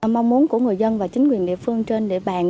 mong muốn của người dân và chính quyền địa phương trên địa bàn